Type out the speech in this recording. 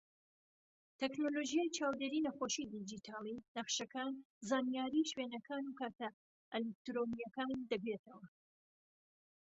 تەکنەلۆژیای چاودێری نەخۆشی دیجیتاڵی، نەخشەکان، زانیاری شوێنەکان و کارتە ئەلیکترۆنیەکان دەگرێتەوە.